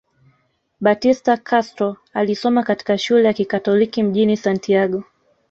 Batista Castro alisoma katika shule ya kikatoliki mjini Santiago